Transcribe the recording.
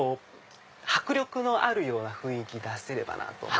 迫力のあるような雰囲気出せればなと思って。